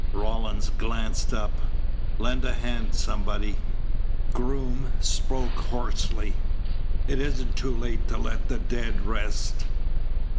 Rawlins glanced up. "Lend a hand, somebody." Groom spoke hoarsely: "It isn't too late to let the dead rest."